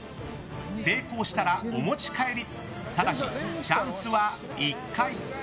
成功したらお持ち帰りただし、チャンスは１回。